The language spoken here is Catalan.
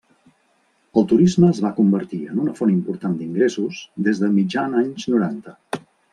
El turisme es va convertir en una font important d'ingressos des de mitjan anys noranta.